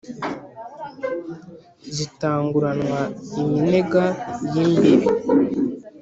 zitanguranwa iminega y' imbibi